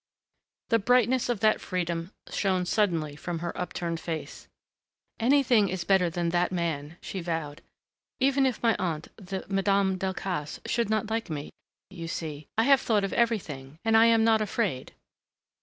The brightness of that freedom shone suddenly from her upturned face. "Anything is better than that man," she vowed. "Even if my aunt, that Madame Delcassé, should not like me you see, I have thought of everything, and I am not afraid."